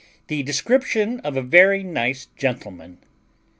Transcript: THE DESCRIPTION OF A VERY FINE GENTLEMAN.